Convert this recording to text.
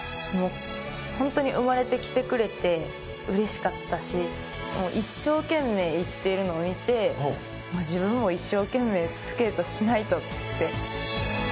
本当に生まれてきてくれてうれしかったし一生懸命生きているの見て自分も一生懸命スケートしないとって。